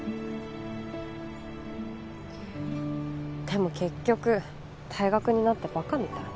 でも結局退学になってバカみたい。